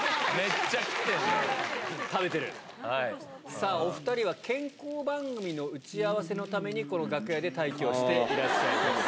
さあ、お２人は健康番組の打ち合わせのために、この楽屋で待機をしていらっしゃいます。